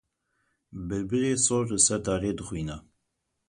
Bilbilê sor li ser darê dixwîne